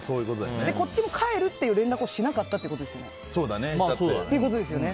こっちも帰るっていう連絡をしなかったってことですよね。